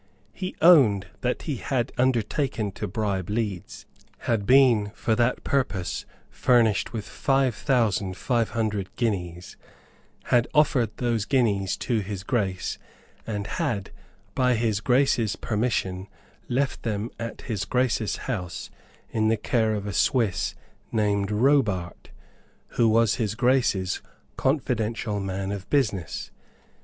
He owned that he had undertaken to bribe Leeds, had been for that purpose furnished with five thousand five hundred guineas, had offered those guineas to His Grace, and had, by His Grace's permission, left them at His Grace's house in the care of a Swiss named Robart, who was His Grace's confidential man of business.